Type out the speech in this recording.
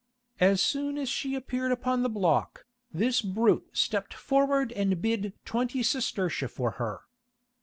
As soon as she appeared upon the block, this brute stepped forward and bid twenty sestertia for her.